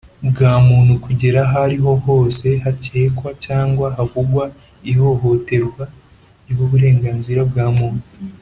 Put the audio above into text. bwa Muntu kugera aho ariho hose hakekwa cyangwa havugwa ihohoterwa ry uburenganzira bwa Muntu